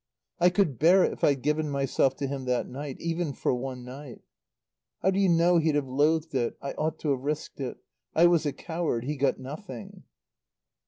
"I could bear it if I'd given myself to him that night even for one night. "How do you know he'd have loathed it? I ought to have risked it. I was a coward. He got nothing."